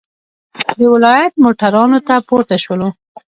د ولایت موټرانو ته پورته شولو.